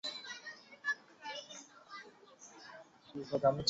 纽芬兰岛西北隔贝尔岛海峡与拉布拉多半岛相隔。